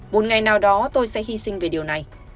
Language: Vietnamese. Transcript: một ngày nào đó tôi sẽ hy sinh về điều này